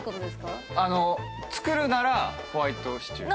作るならホワイトシチュー。